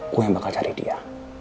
gue yang bakal cari dia